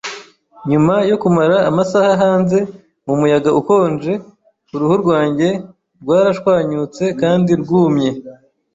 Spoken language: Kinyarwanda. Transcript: Nyuma yo kumara amasaha hanze mumuyaga ukonje, uruhu rwanjye rwarashwanyutse kandi rwumye.